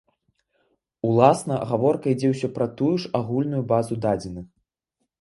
Уласна гаворка ідзе ўсё пра тую ж агульную базу дадзеных.